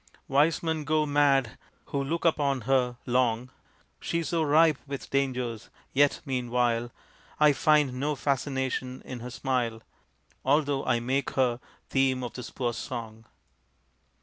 Wise men go mad who look upon her long, She is so ripe with dangers. Yet meanwhile I find no fascination in her smile, Although I make her theme of this poor song.